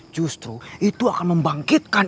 justru itu akan membangkitkan